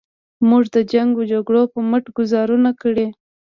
موږ د جنګ و جګړو په مټ ګوزارونه کړي.